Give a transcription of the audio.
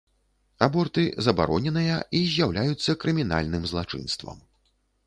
Аборты забароненыя і з'яўляюцца крымінальным злачынствам.